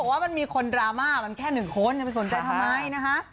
เพราะผมว่ามันมีคนดราม่ามันแค่หนึ่งคนไม่สนใจทำไมนะฮะ